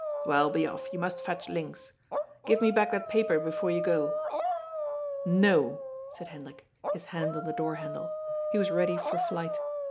Well, be off, if yon must fetch Linz. Oive me back that paper before you go." ^' No," said Hendrik, his hand on the door handle. He was ready for flight.